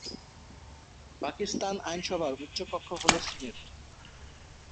পাকিস্তান আইনসভার উচ্চকক্ষ হল সিনেট।